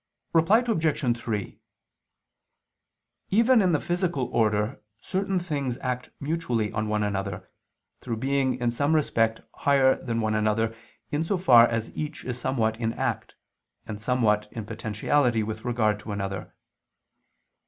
Reply Obj. 3: Even in the physical order certain things act mutually on one another, through being in some respect higher than one another, in so far as each is somewhat in act, and somewhat in potentiality with regard to another.